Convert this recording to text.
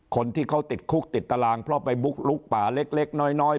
คนที่เขาติดคุกติดตารางเพราะไปบุกลุกป่าเล็กน้อย